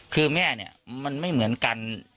คือแม่เนี่ยมันไม่เหมือนกัน